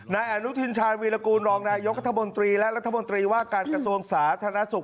นายอนุทินชาญวีรกูลรองนายกัธมนตรีและรัฐมนตรีว่าการกระทรวงสาธารณสุข